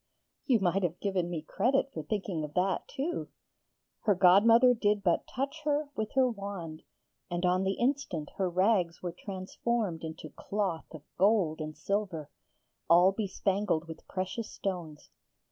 'You might have given me credit for thinking of that too!' Her godmother did but touch her with her wand, and on the instant her rags were transformed into cloth of gold and silver, all bespangled with precious stones.